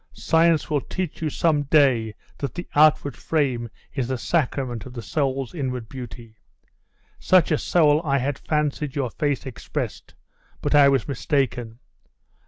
Science will teach you some day that the outward frame is the sacrament of the soul's inward beauty. Such a soul I had fancied your face expressed; but I was mistaken.